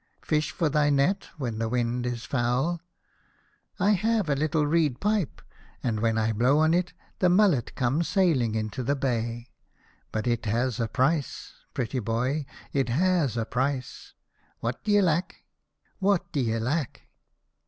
" Fish for thy net, when the wind is foul ? I have a little reed 73 L A House of Pomegranates. pipe, and when I blow on it the mullet come sailing into the bay. But it has a price, pretty boy, it has a price. What d'ye lack ? What d'ye lack